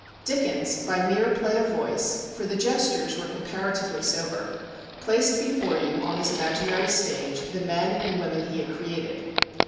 Dickens, by mere play of voice, for the gestures were comparatively sober, placed before you, on his imaginary stage, the men and women he had created.